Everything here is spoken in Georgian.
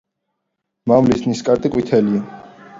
მამლის ნისკარტი ყვითელია.